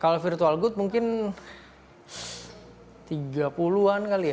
kalau virtual good mungkin tiga puluh an kali ya